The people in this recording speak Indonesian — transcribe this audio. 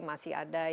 masih ada yang